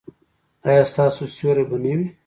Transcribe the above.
ایا ستاسو سیوری به نه وي؟